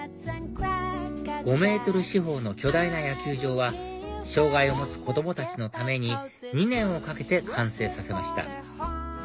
５ｍ四方の巨大な野球場は障害を持つ子供たちのために２年をかけて完成させました